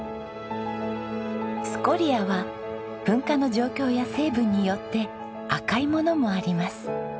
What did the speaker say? スコリアは噴火の状況や成分によって赤いものもあります。